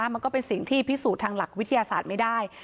มันก็เป็นสิ่งที่พิสูจน์ทางหลักวิทยาศาสตร์ไม่ได้